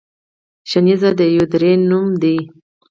شنیز د یوې درې نوم دی.